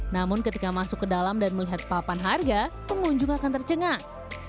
namun ketika masuk ke dalam dan melihat papan harga pengunjung akan tercengang